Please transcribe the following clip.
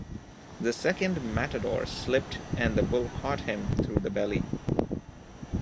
The second matador slipped and the bull caught him through the belly.